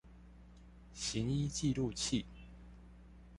行醫記錄器